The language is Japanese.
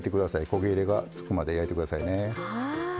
焦げ目がつくまで焼いて下さいね。